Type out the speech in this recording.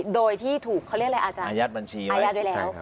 โดยที่ถูกเขาเรียกอะไรอาจารอายัดบัญชีอายัดไว้แล้ว